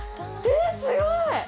えすごい！